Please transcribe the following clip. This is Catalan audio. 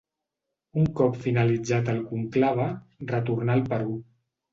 Un cop finalitzat el conclave, retornà al Perú.